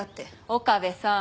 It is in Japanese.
岡部さん